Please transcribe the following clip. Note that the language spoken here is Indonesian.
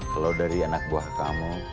kalau dari anak buah kamu